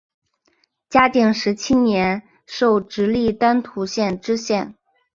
嘉靖十七年授直隶丹徒县知县。